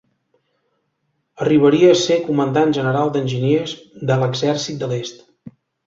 Arribaria a ser comandant general d'Enginyers de l'Exèrcit de l'Est.